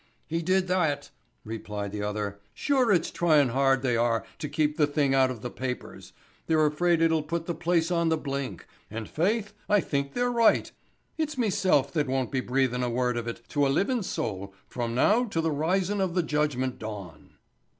"He did that!" replied the other. "Shure it's tryin' hard they are to keep the thing out of the papers. They're afraid it'll put the place on the blink, and faith, I think they're right. It's mesel' that won't be breathin' a word of it to a livin' soul from now to the risin' of the judgment dawn."